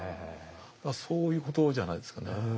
そういうことじゃないですかね。